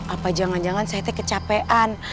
apa jangan jangan saya itu kecapean